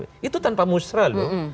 itu tanpa musrah loh